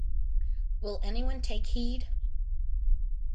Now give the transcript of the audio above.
Will anyone take heed?